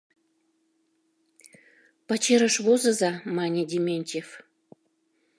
Пачерыш возыза, — мане Дементьев.